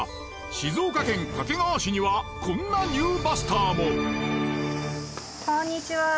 静岡県掛川市にはこんなニューバスターも。